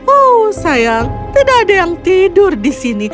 oh sayang tidak ada yang tidur di sini